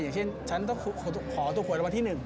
อย่างเช่นฉันต้องขอตัวขวดระบวนที่หนึ่ง